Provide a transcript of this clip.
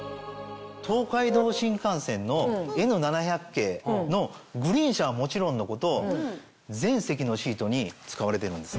東海道新幹線のＮ７００系のグリーン車はもちろんのこと全席のシートに使われてるんです。